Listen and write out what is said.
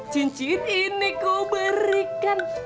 cincin ini ku berikan